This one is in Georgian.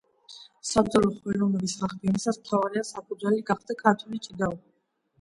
საბრძოლო ხელოვნების აღდგენისას, მთავარი საფუძველი გახდა ქართული ჭიდაობა.